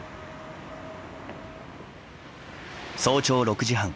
早朝６時半。